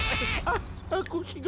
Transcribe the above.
あっこしが。